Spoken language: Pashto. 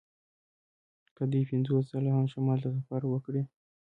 که دوی پنځوس ځله هم شمال ته سفر وکړي